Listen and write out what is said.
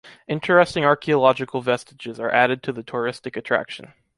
Interesting archeological vestiges are added to the touristic attraction.